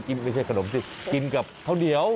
ไม่ใช่ขนมสิกินกับข้าวเหนียว